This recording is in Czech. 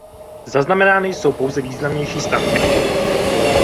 Zaznamenány jsou pouze významnější stavby.